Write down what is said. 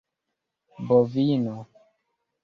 bovino